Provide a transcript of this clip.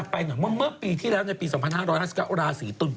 เป็นยังไงบ้างค่ะ